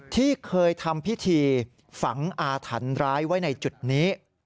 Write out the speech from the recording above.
ที่เคยทำพิธีฝังอาถรรพ์ร้ายไว้ในจุดนี้